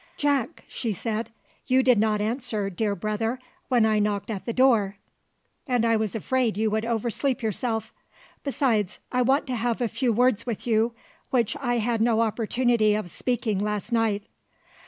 "Jack," she said, "you did not answer, dear brother, when I knocked at the door, and I was afraid you would over sleep yourself: besides, I want to have a few words with you which I had no opportunity of speaking last night.